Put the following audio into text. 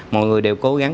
mọi người đều cố gắng